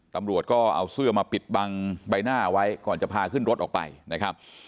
ตำรวจก็เอาเสื้อมาปิดบังใบหน้าไว้ก่อนจะพาขึ้นรถออกไปนะครับ